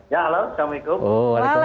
ya halo assalamualaikum